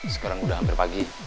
sekarang sudah hampir pagi